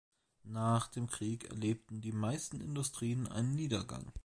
Nach dem Krieg erlebten die meisten Industrien einen Niedergang.